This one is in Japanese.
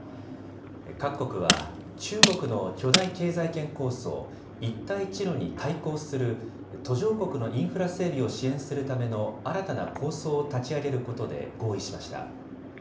各国は、中国の巨大経済圏構想、一帯一路に対抗する途上国のインフラ整備を支援するための新たな構想を立ち上げることで合意しました。